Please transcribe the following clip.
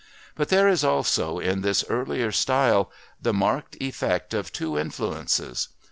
But there is also, in this earlier style, the marked effect of two influences.